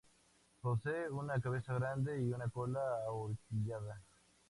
Posee una cabeza grande y una cola ahorquillada.